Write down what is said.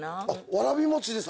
わらび餅です。